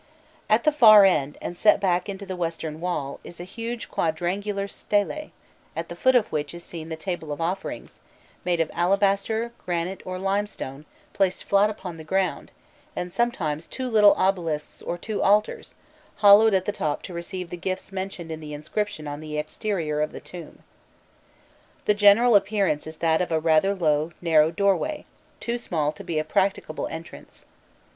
At the far end, and set back into the western wall, is a huge quadrangular stele, at the foot of which is seen the table of offerings, made of alabaster, granite or limestone placed flat upon the ground, and sometimes two little obelisks or two altars, hollowed at the top to receive the gifts mentioned in the inscription on the exterior of the tomb. The general appearance is that of a rather low, narrow doorway, too small to be a practicable entrance.